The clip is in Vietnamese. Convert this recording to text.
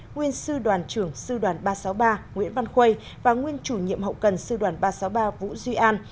nguyên sư đoàn trưởng sư đoàn ba trăm sáu mươi ba nguyễn văn khuây và nguyên chủ nhiệm hậu cần sư đoàn ba trăm sáu mươi ba vũ duy an